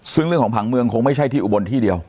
ซึ่งเรื่องของผังเมืองคงไม่ใช่ที่อุบลที่เดียว